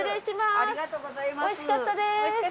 おいしかったです。